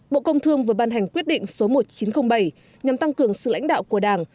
bộ công thương vừa ban hành quyết định số một nghìn chín trăm linh bảy nhằm tăng cường sự lãnh đạo của đảng